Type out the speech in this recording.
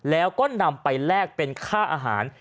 แล้วก็นำไปแลกเป็นค่าอาหาร